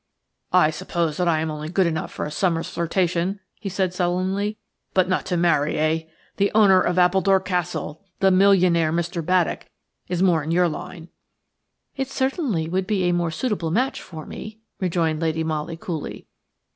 "I suppose that I am only good enough for a summer's flirtation?" he said sullenly, "but not to marry, eh? The owner of Appledore Castle, the millionaire, Mr. Baddock, is more in your line–" "It certainly would be a more suitable match for me," rejoined Lady Molly, coolly.